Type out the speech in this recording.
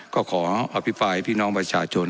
ก็ขออภิปรายพี่น้องประชาชน